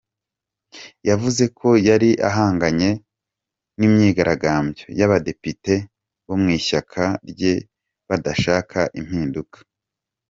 Yavuze ko yari ahanganye n'"imyigaragambyo" y'abadepite bo mu ishyaka rye badashaka impinduka.